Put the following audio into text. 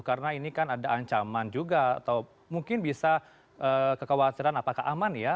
karena ini kan ada ancaman juga atau mungkin bisa kekhawatiran apakah aman ya